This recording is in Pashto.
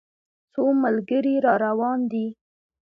څو ملګري را روان دي.